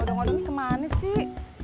odong odongnya kemana sih